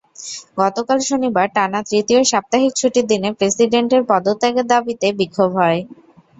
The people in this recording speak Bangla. গতকাল শনিবার টানা তৃতীয় সাপ্তাহিক ছুটির দিনে প্রেসিডেন্টের পদত্যাগের দাবিতে বিক্ষোভ হয়।